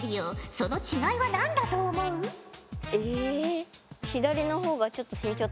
その違いは何だと思う？え？